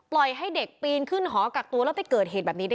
สำหรับประเด็นนี้เนี่ยทางกระทรวงศึกษาอธิการนะคะ